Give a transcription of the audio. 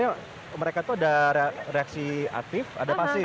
jadi sebenarnya mereka tuh ada reaksi aktif ada pasif